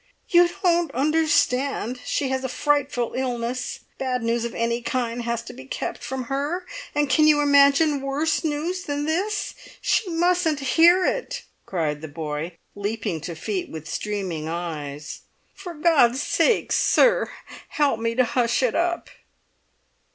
"You don't understand! She has had a frightful illness, bad news of any kind has to be kept from her, and can you imagine worse news than this? She mustn't hear it!" cried the boy, leaping to feet with streaming eyes. "For God's sake, sir, help me to hush it up!"